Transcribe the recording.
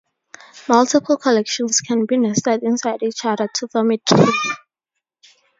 Multiple collections can be nested inside each other to form a tree.